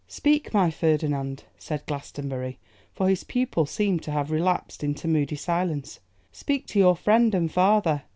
'Speak, my Ferdinand,' said Glastonbury, for his pupil seemed to have relapsed into moody silence, 'speak to your friend and father.